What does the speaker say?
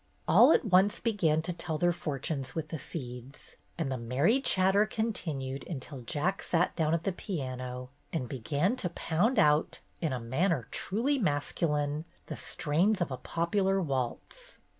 All at once began to tell their for tunes with the seeds, and the merry chatter continued until Jack sat down at the piano and began to pound out, in a manner truly masculine, the strains of a popular waltz.